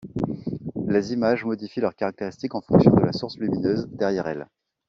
Les images modifient leurs caractéristiques en fonction de la source lumineuse derrière elles.